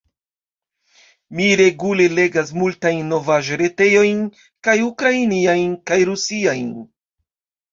Mi regule legas multajn novaĵ-retejojn, kaj ukrainiajn, kaj rusiajn.